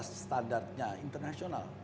dan kualitas standarnya internasional